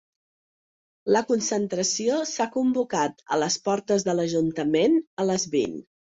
La concentració s’ha convocat a les portes de l’ajuntament a les vint.